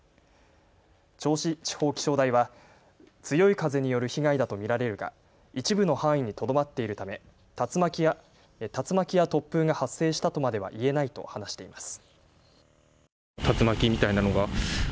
銚子地方気象台は強い風による被害だと見られるが一部の範囲にとどまっているため竜巻や突風が発生したとまでは言えないと話しています。